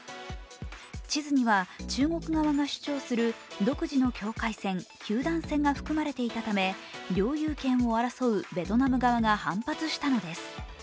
地図には中国側が主張する独自の境界線、九段線が含まれていたため領有権を争うベトナム側が反発したのです。